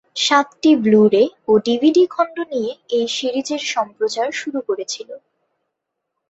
সাতটি ব্লু-রে ও ডিভিডি খন্ড নিয়ে এই সিরিজের সম্প্রচার শুরু করেছিল।